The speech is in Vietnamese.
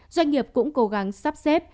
doanh nghiệp cũng cố gắng sắp xếp